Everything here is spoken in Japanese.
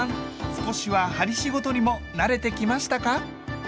少しは針仕事にも慣れてきましたか？